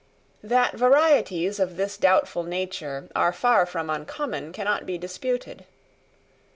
That varieties of this doubtful nature are far from uncommon cannot be disputed.